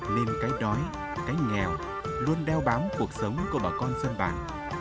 nên cái đói cái nghèo luôn đeo bám cuộc sống của bà con dân bản